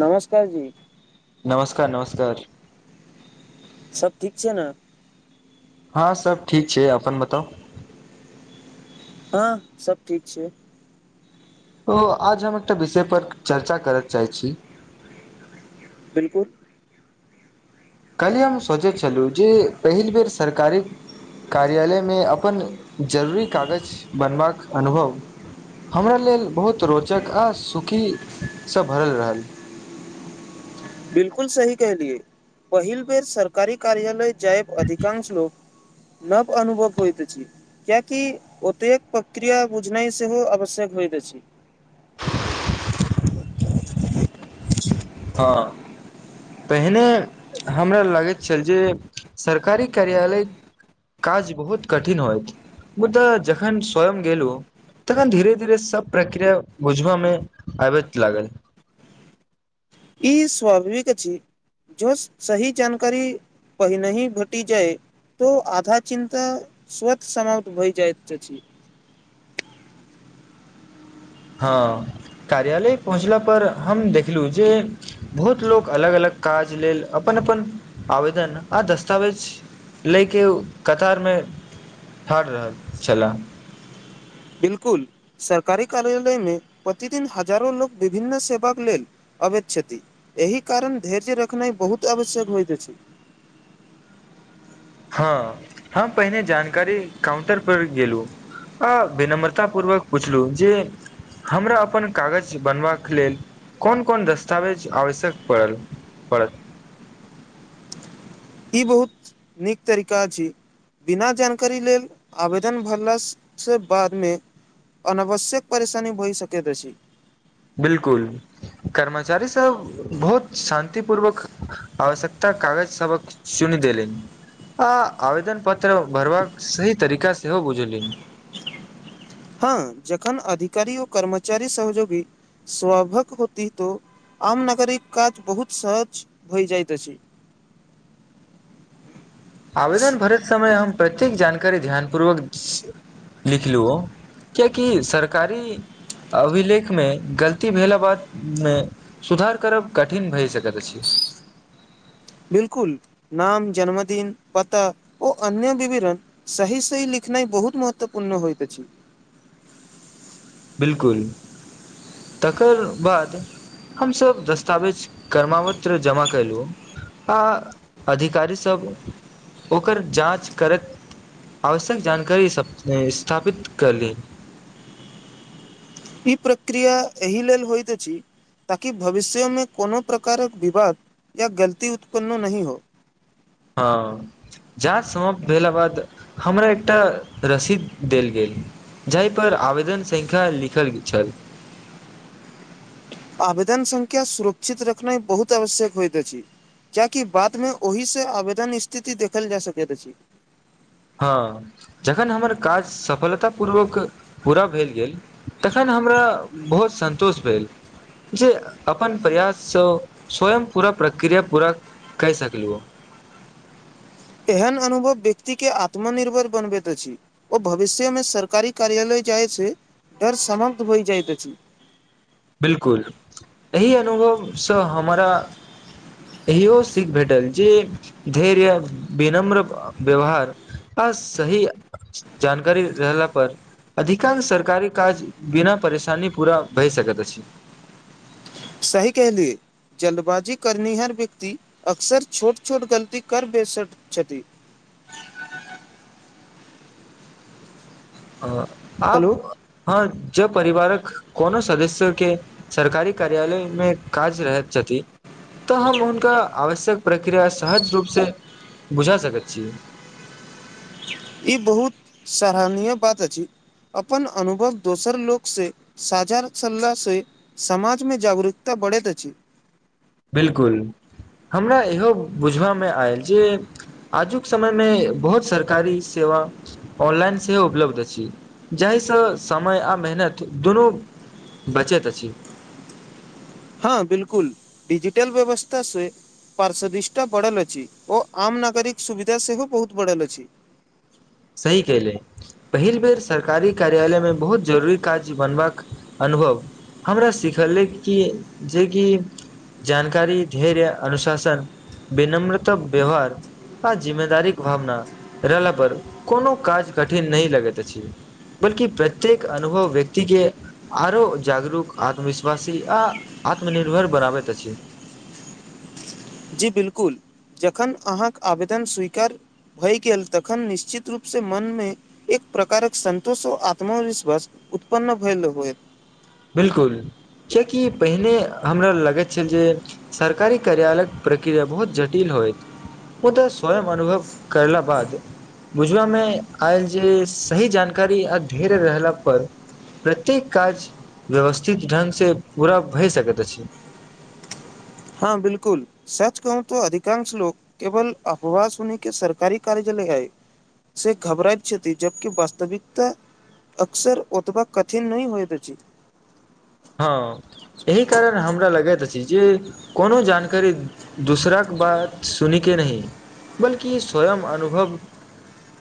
नमस्कार जी नमस्कार नमस्कार सब ठीक छै ने हँ सब ठीक छै अपन बताउ हँ सब ठीक छै ओ आज हम एकटा विषय पर चर्चा करय चाहै छी बिलकुल काल्हि हम सोचै छलु जे पहिल बेर सरकारी कार्यालयमे अपन जरूरी कागज बनबाक अनुभव हमरा लेल बहुत रोचक आ सुखी सँ भरल रहल बिलकुल सही कहलियए पहिल बेर सरकारी कार्यालय जायब अधिकांश लोक नव अनुभव होइत अछि कियाकि ओतेक प्रक्रिया बुझनाइ सेहो आवश्यक होइत अछि हँ पहिने हमरा लागैत छल जे सरकारी कार्यालय काज बहुत कठिन होइत मुदाऽ जखन स्वयं गेलहु तखन धीरे धीरे सब प्रक्रिया बुझब मे आबैत लागल ई स्वाभाविक छी जो सही जानकारी पहिनहि भटी जाय तऽ आधा चिन्ता स्वत समाप्त भए जाइत अछि हँ कार्यालय पहुँचला पर हम देखलु जे बहुत लोक अलग अलग काज लेल अपन अपन आवेदन आ दस्तावेज लैके कतार मे ठाड़ रहल छलै बिल्कुल सरकारी कार्यालयमे प्रतिदिन हजारो लोक विभिन्न सेवाक लेल अबैत छथि एहि कारण धैर्य रखना बहुत आवश्यक होइत छै हँ हम पहिने जानकारी काउंटर पर गेलु अ विनम्रता पूर्वक पूछलू जे हमरा अपन कागज बनबाक लेल कोन कोन दस्तावेज आवश्यक पड़ल पड़त ई बहुत नीक तरीका छी बिना जानकारी लेल आवेदन भरलास से बादमे अनावश्यक परेशानी भइ सकत अछि बिलकुल कर्मचारी सब बहुत शान्ति पूर्वक आवश्यकता कागज सबक चुनि देलनि आ आवेदन पत्र भरबाक सही तरीका सेहो बुझली हँ जखन अधिकारी ओ कर्मचारी सहजोगी स्वाभक होती त आम नागरिक काज बहुत सहज भैय जाइत अछि आवेदन भरैत समय हम प्रत्येक जानकारी ध्यानपूर्वक लिखलु कियकि सरकारी अभिलेख मे गलती भेला बाद मे सुधार करब कठिन भए सकैत अछि बिलकुल नाम जन्मदिन पता ओ अन्य विवरण सही सही लिखनाइ बहुत महत्वपूर्ण होइत अछि बिलकुल तकर बाद हमसब दस्तावेज क्रमावत्र जमा कैलु आ अधिकारीसभ ओकर जाँच करैत आवश्यक जानकारी सब स्थापित कर ली ई प्रक्रिया एहि लेल होइत अछि ताकि भविष्यमे कोनो प्रकारक विवाद या गलती उत्पन्न नहि हो हाँ जाँच समाप्त भेला बाद हमरा एकटा रसीद देल गेल जाहि पर आवेदन संख्या लिखल छल आवेदन संख्या सुरक्षित रखनाय बहुत आवश्यक होइत अछि कियेकि बाद मे ओहि से आवेदन स्थिति देखल जा सकैत अछि हँ जखन हमर काज सफलतापूर्वक पूरा भेल गेल तखन हमरा बहुत सन्तोष भेल जे अपन प्रयाससँ स्वयं पूरा प्रक्रिया पूरा कय सकलु एहन अनुभव व्यक्तिके आत्मनिर्भर बनबैत अछि ओ भविष्य मे सरकारी कार्यालय जाय से डर समाप्त होय जाइत अछि बिलकुल एहि अनुभवसँ हमरा इहो सीख भेटल जे धैर्य विनम्र व्यवहार आ सही जानकारी रहला पर अधिकांश सरकारी काज बिना परेशानी पूरा भए सकत अछि [inaudible] सही कहली जल्दबाजी करनिहार व्यक्ति अक्सर छोट छोट गलती कर बैसत छथि हँ आब हेलो हँ जँ परिवारक कोनो सदस्य के सरकारी कार्यालय मे काज रहैत छथि तऽ हम हुनका आवश्यक प्रक्रिया सहज रूपसँ बुझा सकैत छी ई बहुत सराहनीय बात अछि अपन अनुभव दोसर लोकसँ साझा चलला से समाजमे जागरूकता बढ़ैत अछि बिल्कुल हमरा इहो बुझबामे आयल जे आजुक समय मे बहुत सरकारी सेवा ऑनलाइन सेहो उपलब्ध अछि जाहिसँ समय आ मेहनत दुनू बचैत अछि हँ बिलकुल डिजिटल व्यवस्था से पारश्वदष्ठटा बढ़ल अछि ओ आम नागरिक सुविधा सेहो बहुत बढ़ल अछि सही कहली पहिल बेर सरकारी कार्यालय मे बहुत जरूरी काज बनबाक अनुभव हमरा सिखलैक कि जेकि जानकारी धैर्य अनुशासन विनम्रता व्यवहार आ जिम्मेदारी भावना रहला पर कोनो काज कठिन नहि लगैत अछि बल्कि प्रत्येक अनुभव व्यक्ति के आरो जागरूक आत्मविश्वासी आ आत्मनिर्भर बनाबैत अछि जी बिल्कुल जखन अहाँक आवेदन स्वीकार भए गेल तखन निश्चित रूपसँ मनमे एक प्रकारक सतोष ओ आत्मविश्वास उत्पन्न भएल होएत बिलकुल कियेकि पहिने हमरा लगैत छल जे सरकारी कार्यालयक प्रक्रिया बहुत जटिल होयत ओ त स्वयं अनुभव करला बाद बुझला में आयल जे सही जानकारी आ धेर्य रहला पर प्रत्येक काज व्यवस्थित ढगसँ पूरा भए सकैत अछि हँ बिल्कुल सच कहू त अधिकांश लोक केवल अफवाह सुनी के सरकारी कार्यालय आएहे से घबराइ छति जबकि वास्तविकता अक्सर ओतबा कठिन नहि होइत अच्छी हँ एहि कारण हमरा लगैत अछि जे कोनो जानकारी दूसरा क बात सुनी के नही बल्कि स्वयं अनुभव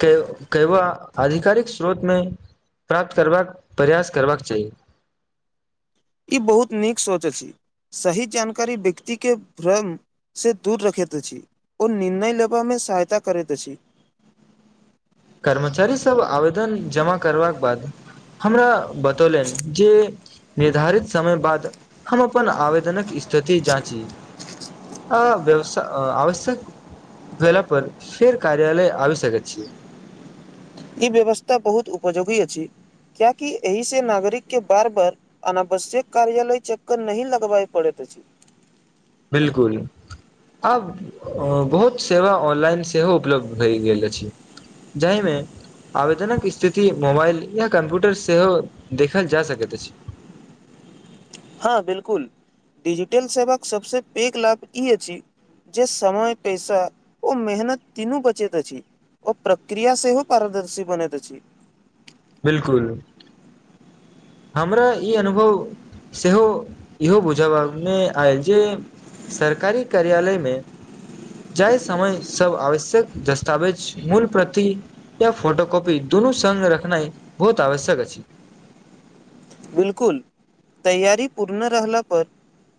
के केयवा आधिकारिक स्रोत में प्राप्त करबाक प्रयास करबाक चाही ई बहुत नीक सोच अछि सही जानकारी व्यक्ति के भ्रम से दूर रखैत अछि ओ निर्णय लेबय मे सहायता करैत अछि कर्मचारी सब आवेदन जमा करबाक बाद हमरा बतौलनि जे निर्धारित समय बाद हम अपन आवेदनक स्थिति जाँची आ व्यवस आ आवश्यक भेला पर फेर कार्यालय आबी सकैत छि ई व्यवस्था बहुत उपजयोगी अछि कियाकि एहि से नागरिक के बार बार अनावश्यक कार्यालय चक्कर नहीं लगबाइ पड़ेत अछि बिलकुल आब बहुत सेवा ऑनलाइन सेहो उपलब्ध भय गेल अछि जाहिमे आवेदनक स्थिति मोबाइल या कम्प्यूटर सेहो देखल जा सकैत अछि हँ बिल्कुल डिजिटल सेवाक सबस पैघ लाभ ई अछि जे समय पैसा ओ मेहनत तीनू बचैत अछि ओ प्रक्रिया सेहो पारदर्शी बनैत अछि बिल्कुल हमरा ई अनुभव सेहो इहो बुझबामे आयल जे सरकारी कार्यालयमे जाहि समय सब आवश्यक दस्तावेज मूल प्रति या फोटोकॉपी दुनू सगं रखनाइ बहुत आवश्यक अछि बिलकुल तैयारी पूर्ण रहला पर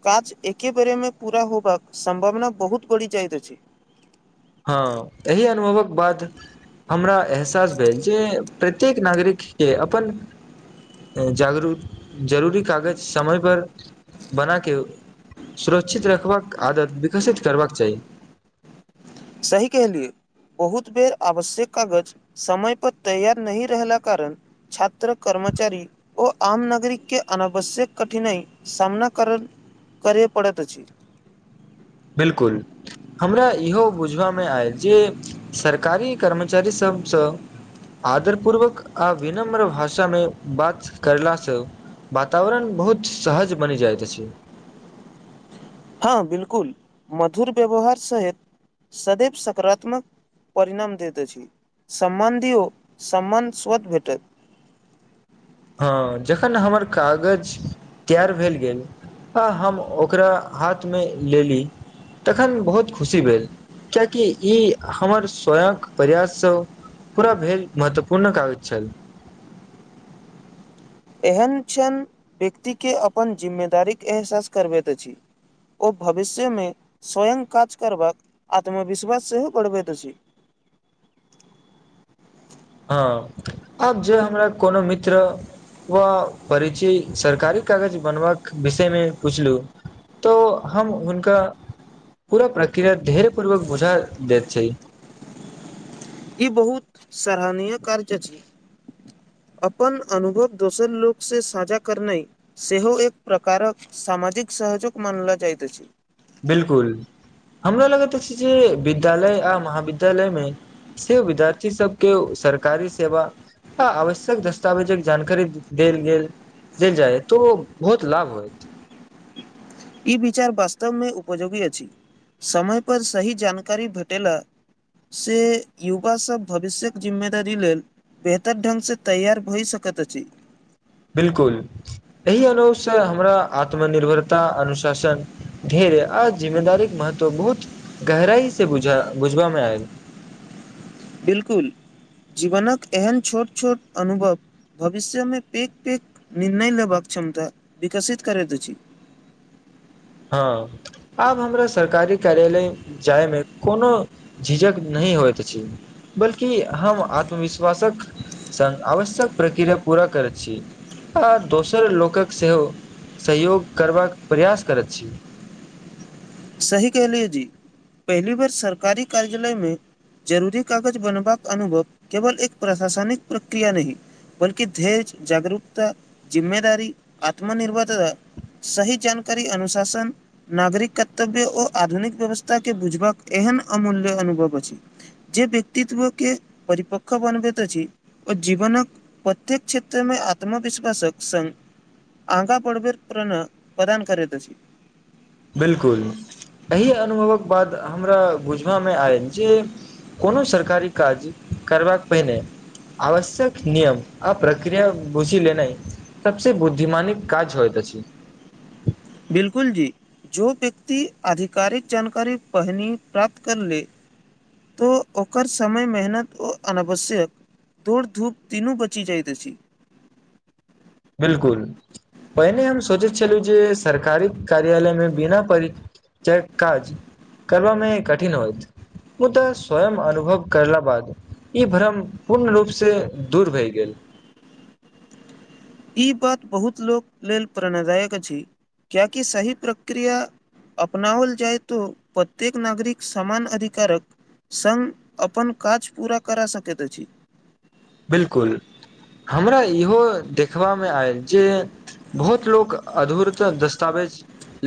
काज एके बेर मे पूरा होबाक सम्भावना बहुत बढ़ि जाइत अछि हँ तेहि अनुभवक बाद हमरा एहसास भेल जे प्रत्येक नागरिक के अपन जागरूक जरूरी कागज समय पर बनाकेऽ सुरक्षित रखबाक आदत विकसित करबाक चाही सही केहलियै बहुत बेर आवश्यक कागज समय पर तैयार नही रहला कारण छात्र कर्मचारी ओ आम नागरिक के अनावश्यक कठिनाइ सामना कर करिये पड़ैत अछि बिलकुल हमरा इहो बुझलामे आयल जे सरकारी कर्मचारी सभसँ आदर पूर्वक आ विनम्र भाषा मे बात केरलासँ वातावरण बहुत सहज बनि जाइत अछि हँ बिल्कुल मधुर व्यवहार स सदैव सकारात्मक परिणाम दैत अछि सम्बन्धिओ सम्बन्ध स्वत भेटत हँ जखन हमर कागज तैयार भेल गेल आ हम ओकरा हाथ मे लेली तखन बहुत खुशी भेल कियाकि ई हमर स्वयंक प्रयाससँ पूरा भेल महत्वपूर्ण कागज छल एहन क्षण व्यक्ति के अपन जिम्मेदारीक एहसास करबैत अछि ओ भविष्यमे स्वयं काज करबाक आत्मविश्वास सेहो बढ़बैत अछि हँ आब जे हमरा कोनो मित्र व परिचय सरकारी कागज बनबाक विषय मे पुछलु तऽ हम हुनका पूरा प्रक्रिया धेर्य पूर्वक बुझा देैत छै ई बहुत सराहनीय कार्ज छै अपन अनुभव दोसर लोक से साझा करनाइ सेहो एक प्रकारक सामाजिक सहजुक मानल जाइत अछि बिलकुल हमरा लगैत अछि जे विद्यालय आ महाविद्यालय मे से विद्यार्थी सबके सरकारी सेवा ह आवश्यक दस्तावेजक जानकारी देल गेल देल जाइ तो बहुत लाभ होयत ई विचार वास्तव मे उपयोगी अछि समय पर सही जानकारी भेटेेला से युवा सब भविष्य्यक जिम्मेदारी लेल बेहतर ढंग स तैयार भई सकैत अछि बिलकुल एहि अनुसँ हमरा आत्मनिर्भरता अनुशासन धेर्य आ जिम्मेदारीक महत्व बहुत गहराई से बुझ बुझबा मे आयल बिल्कुल जीवनक एहन छोट छोट अनुभव भविष्यमे पेक पेक निर्णय लेबाक क्षमता विकसित करैत अछि हँ आब हमरा सरकारी कार्यालय जायमे कोनो झिझक नहि होइत अछि। बल्कि हम आत्मविश्वासक संग आवश्यक प्रक्रिया पूरा करैत छी आ दोसर लोकक सेहो सहयोग करबाक प्रयास करैत छी सही कहलियए जी पहली बार सरकारी कार्यालयमे जरूरी कागज बनबाक अनुभव केवल एक प्रशासनिक प्रक्रिया नहि बल्कि धेर्य जागरूकता, जिम्मेदारी आत्मनिर्भरता। सही जानकारी अनुशासन नागरिक ताबे आ आधुनिक व्यवस्थाके बुझबाक एहन अमूल्य अनुभव अछि। जे व्यक्तित्वके परिपक्व बनबैत अछि। ओ जीवनक प्रत्येक क्षेत्र मे आत्मविश्वासक संग अगा पड़भेर प्रण प्रदान करैत अछि बिलकुल एहि अनुभवक बाद हमरा बुझबामे आयल जे कोनो सरकारी काज करबाक पहिने आवश्यक नियम आ प्रक्रिया बूझी लेनाइ सबसे बुद्धिमानी काज होइत छै बिलकुल जी जो व्यक्ति आधिकारिक जानकारी पहिनी प्राप्त कर ले तोऽ ओकर समय मेहनत ओ अनावश्यक दौड़ धूप तीनू बचि जाइत अछि। बिलकुल, पहिने हम सोचैत छलहुँ जे सरकारी कार्यालयमे बिना परि चय काज करब मे कठिन होइत मुदा स्वयं अनुभव कयला बाद। ई भ्रम पूर्ण रूपसे दूर भयऽ गेल। ई बात बहुत लोक लेल प्रेरणादायक अछि, किएकी सही प्रक्रिया। अपनाओल जाइ तो प्रत्येक नागरिक समान अधिकारक संग अपन काज पूरा करा सकैत अछि बिलकुल हमरा इहो देखबामे आयल जे बहुत लोक अधूरत दस्तावेज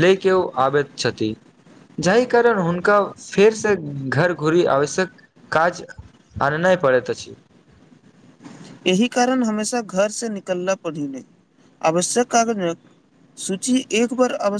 ले के ओ आबैत छथि जाहि कारण हुनका फेरसँ घर घूरी आवश्यक काज आर नहि पड़ै तऽ अछि एही कारण हमेशा घर से निकलना पड़ी नहि आवश्यक कागज सूची एक बार अवश्यक